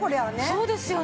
そうですよね。